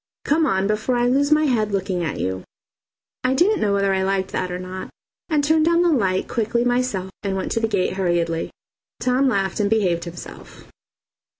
Come on before I lose my head looking at you." I didn't know whether I liked that or not, and turned down the light quickly myself and went to the gate hurriedly. Tom laughed and behaved himself.